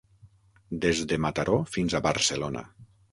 Des de Mataró fins a Barcelona.